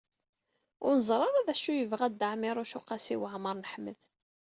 Ur neẓri ara d acu i yebɣa Dda Ɛmiiruc u Qasi Waɛmer n Ḥmed.